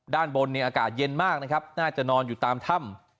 ด้านบนเนี่ยอากาศเย็นมากนะครับน่าจะนอนอยู่ตามถ้ำ